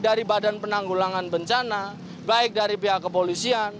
dari badan penanggulangan bencana baik dari pihak kepolisian